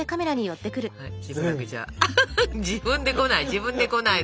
自分で来ない！